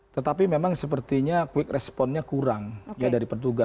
tetapi memang sepertinya quick responnya kurang ya dari petugas